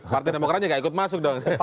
partai demokranya tidak ikut masuk dong